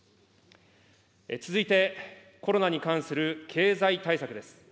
続いて、コロナに関する経済対策です。